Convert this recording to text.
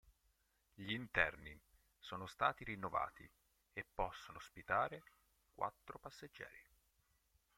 Gli interni sono stati rinnovati e possono ospitare quattro passeggeri.